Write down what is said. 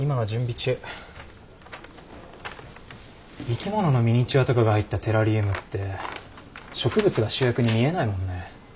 生き物のミニチュアとかが入ったテラリウムって植物が主役に見えないもんね。